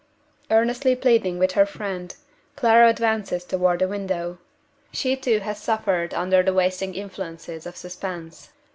Earnestly pleading with her friend, Clara advances toward the window. She too has suffered under the wasting influences of suspense.